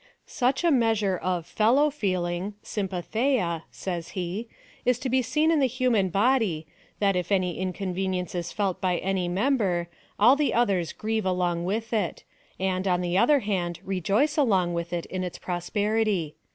" Such a measure oi fel low feeling," {av/M7rd9€ia,y says he, " is to be seen in the human body, that, if any inconvenience is felt by any mem ber, all the others grieve along with it, and, on the other hand, rejoice along with it, in its prosperity.